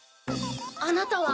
あなたは。